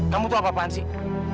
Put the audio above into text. kamu tuh apa apaan sih